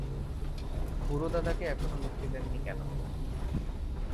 বুড়ো দাদা কে এখনও মুক্তি দেননি কেন?